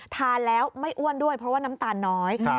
ทานแล้วไม่อ้วนด้วยเพราะว่าน้ำตาลน้อย